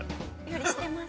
◆してます。